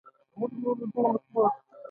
کار څخه تېښته غوره کوي.